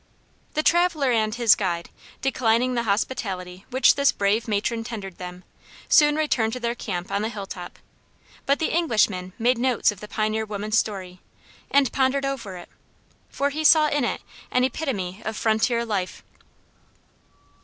The traveler and his guide, declining the hospitality which this brave matron tendered them, soon returned to their camp on the hill top; but the Englishman made notes of the pioneer woman's story, and pondered over it, for he saw in it an epitome of frontier life.